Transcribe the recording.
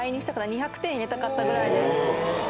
２００点入れたかったぐらいです。